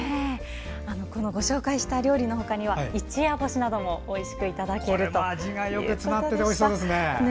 ご紹介した料理のほかには一夜干しなどもおいしくいただけるそうです。